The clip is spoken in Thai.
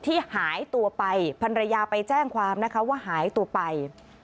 หายตัวไปพันรยาไปแจ้งความนะคะว่าหายตัวไป